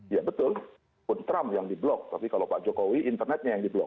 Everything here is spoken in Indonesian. ya betul akun trump yang diblok tapi kalau pak jokowi internetnya yang diblok